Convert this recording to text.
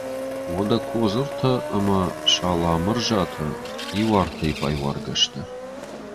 Уӕдӕ Кодзыртӕ ӕмӕ Саламырзатӕ иу артӕй байуаргӕ сты.